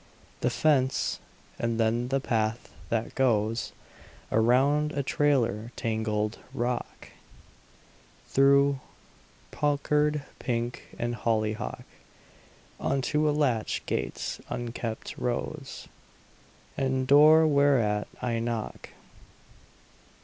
The fence; and then the path that goes Around a trailer tangled rock, Through puckered pink and hollyhock, Unto a latch gate's unkempt rose, And door whereat I knock.